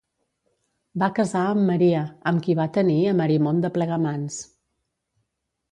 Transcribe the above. Va casar amb Maria, amb qui va tenir a Marimon de Plegamans.